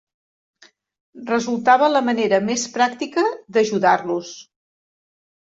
Resultava la manera més pràctica d'ajudar-los.